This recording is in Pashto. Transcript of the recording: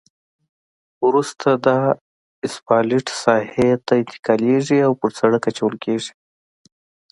وروسته دا اسفالټ ساحې ته انتقالیږي او په سرک اچول کیږي